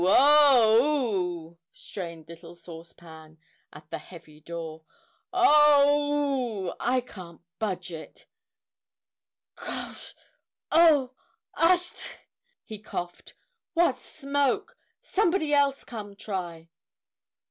O w o o o h!" strained little Sauce Pan at the heavy door. "O w o o o h! I can't t budge it! Cauch! Cawc! Ochee!" he coughed. "What smoke! Somebody else come try!"